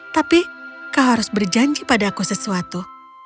tapi kau harus berjanji padaku sesuatu